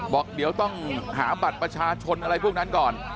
บอกเดี๋ยวต้องหาบัตรประชาชนอะไรพวกนั้นก่อน